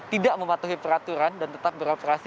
tidak mematuhi peraturan dan tetap beroperasi